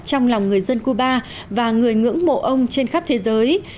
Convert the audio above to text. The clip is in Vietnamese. trong lòng người dân cuba và người ngưỡng mộ ông trên khắp thế giới